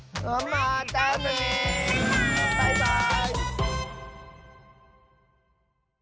バイバーイ！